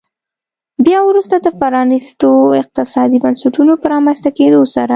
بیا وروسته پرانیستو اقتصادي بنسټونو په رامنځته کېدو سره.